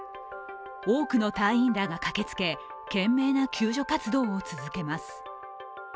多くの隊員らが駆けつけ懸命な救助活動を続けます。